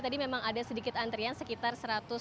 tadi memang ada sedikit antrian sekitar seratus dua ratus